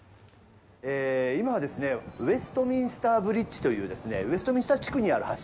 今はウェストミンスターブリッジというウェストミンスター地区にある橋。